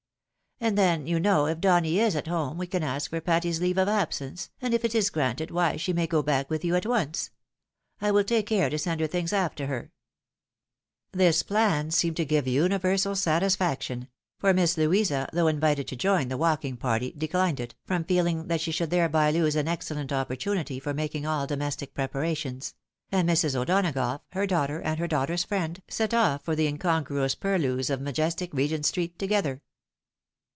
" And then, you know, if Donny is at home, we can ask for Patty's leave of absence, and if it is granted, why she may go back with you at once. I wiU take care to send her things after her." THE POWER OP CHERRY RIPE. 227 This plan seemed to give universal satisfaction ; for Miss Louisa, thougli invited to join the walking party, declined it, from feeling tliat she should thereby lose an excellent opportunity for mating all domestic preparations ; and Mrs. O'Donagough, her daughter, and her daughter's friend, set off for the incon gruous purUeus of majestic Regent street together.